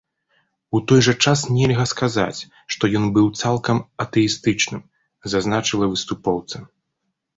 У той жа час нельга сказаць, што ён быў цалкам атэістычным, зазначыла выступоўца.